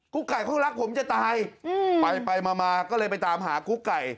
ไก่เขารักผมจะตายไปไปมาก็เลยไปตามหากุ๊กไก่